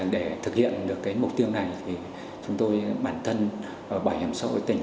để thực hiện được mục tiêu này thì chúng tôi bản thân bảo hiểm xã hội tỉnh